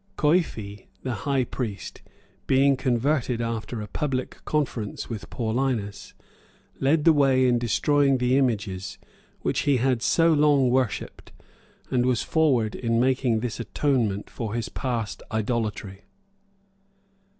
Coifi, the high priest, being converted after a public conference with Paullinus, led the way in destroying the images, which he had so long worshipped, and was forward in making this atonement for his past idolatry.